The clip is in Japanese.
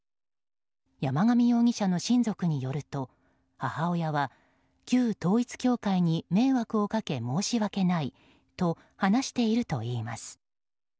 山上容疑者の親族によると母親は旧統一教会に迷惑をかけ申し訳ないと話しているといいます。